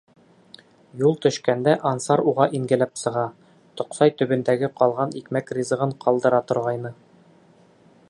Юл төшкәндә Ансар уға ингеләп сыға, тоҡсай төбөндәге ҡалған икмәк-ризығын ҡалдыра торғайны.